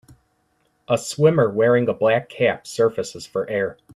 A swimmer wearing a black cap surfaces for air.